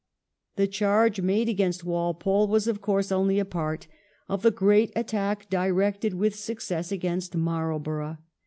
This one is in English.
The charge made against Walpole was of course only a part of the great attack directed with success against Marlborough.